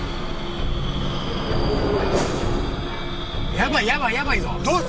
ヤバいヤバいヤバいぞ！